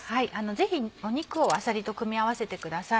ぜひ肉をあさりと組み合わせてください。